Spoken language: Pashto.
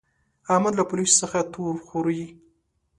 احمد له پوليسو څخه تور خوري.